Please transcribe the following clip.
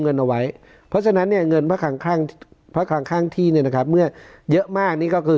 มีเนินเงินเอาไว้เพราะฉะนั้นเงินภาคร่างที่เยอะมาก